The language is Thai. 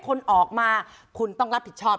คนออกมาคุณต้องรับผิดชอบ